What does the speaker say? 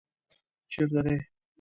چېرته دی؟